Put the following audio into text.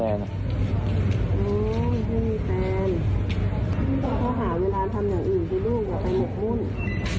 ต้องหาเวลาทำอย่างอื่นดูกว่าโปรลุ้น